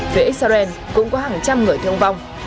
với israel cũng có hàng trăm người thương vong